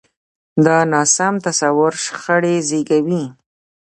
دا ناسم تصور شخړې زېږوي.